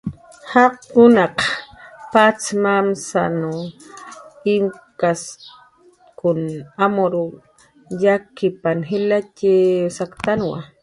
jaqarkunaq patz mamasw imtaskun amur yakipna jilatxi saktna